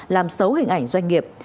làm xấu hình ảnh doanh nghiệp